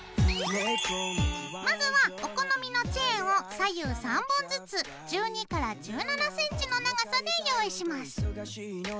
まずはお好みのチェーンを左右３本ずつ１２１７ｃｍの長さで用意します。